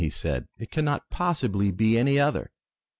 he said. "It cannot possibly be any other!